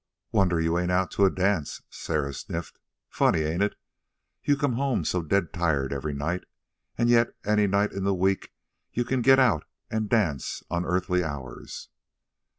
"Wonder you ain't out to a dance," Sarah sniffed. "Funny, ain't it, you come home so dead tired every night, an' yet any night in the week you can get out an' dance unearthly hours."